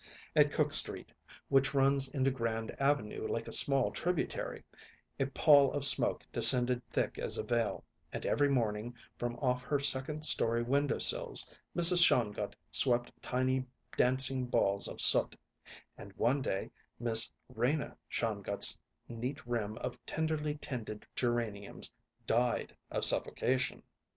At Cook Street, which runs into Grand Avenue like a small tributary, a pall of smoke descended thick as a veil; and every morning, from off her second story window sills, Mrs. Shongut swept tiny dancing balls of soot; and one day Miss Rena Shongut's neat rim of tenderly tended geraniums died of suffocation.